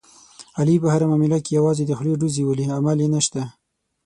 علي په هره معامله کې یوازې د خولې ډوزې ولي، عمل یې نشته.